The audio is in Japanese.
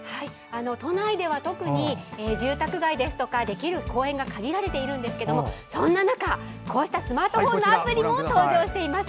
都内では特に住宅街ですとか、できる公園が限られているんですけどそんな中、こうしたスマートフォンのアプリも登場しています。